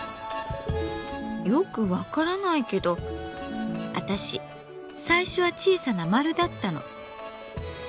よく分からないけど私最初は小さな丸だったの。